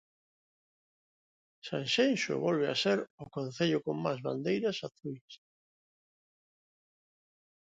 Sanxenxo volve a ser o concello con máis bandeiras azuis.